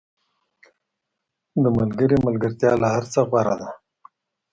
• د ملګري ملګرتیا له هر څه غوره ده.